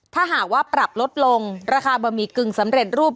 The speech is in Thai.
ถ้าหากว่าปรับลดลงราคาบะหมี่กึ่งสำเร็จรูป